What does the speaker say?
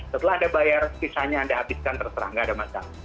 setelah anda bayar sisanya anda habiskan terserah nggak ada masalah